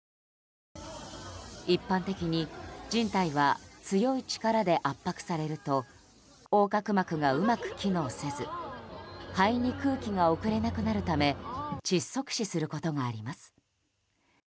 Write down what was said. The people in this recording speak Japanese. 一般的に、人体は強い力で圧迫されると横隔膜がうまく機能せず肺に空気が遅れなくなるため窒息死することがあります。